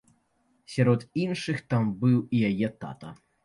Сярод іншых там быў і яе тата.